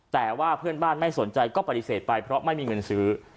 แต่ว่าเพื่อนบ้านไม่สนใจก็ปฏิเสธไปเพราะไม่มีเงินซื้อ